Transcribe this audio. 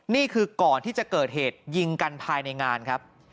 นี่คือก่อนที่จะเกิดเหตุยิงกันภายในงานครับ